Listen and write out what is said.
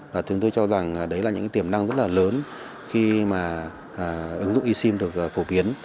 và chúng tôi cho rằng đấy là những tiềm năng rất là lớn khi mà ứng dụng e sim được phổ biến